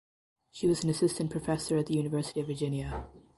She was an assistant professor at the University of Virginia.